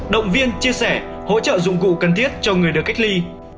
động viên chia sẻ hỗ trợ dụng cụ cần thiết cho người được cách ly